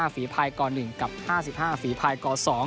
ฝีภายก๑กับ๕๕ฝีภายก๒